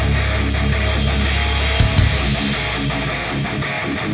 ๔ใกล้สารรถอันดับ